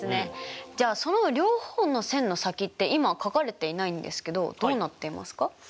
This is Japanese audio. じゃあその両方の線の先って今書かれていないんですけどどうなっていますか？